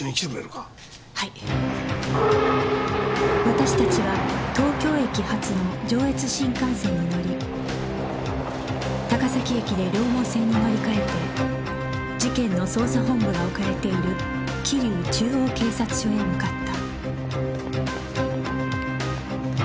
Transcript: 私たちは東京駅発の上越新幹線に乗り高崎駅で両毛線に乗り換えて事件の捜査本部が置かれている桐生中央警察署へ向かった